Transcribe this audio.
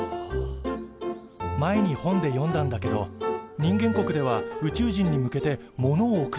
前に本で読んだんだけど人間国では宇宙人に向けて物を送ったこともあるんだって。